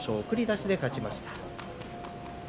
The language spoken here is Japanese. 送り出しで勝ちました。